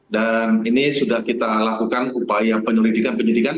dan ini sudah kita lakukan upaya penyelidikan penyelidikan